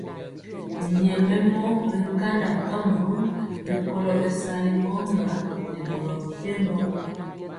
Nyɛmemɔ ri kanda kamrun rikolo bɛsali ŋgomnaŋ nɛ boro mepempɔ.